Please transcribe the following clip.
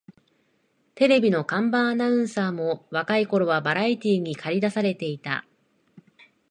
テレビの看板アナウンサーも若い頃はバラエティーにかり出されていた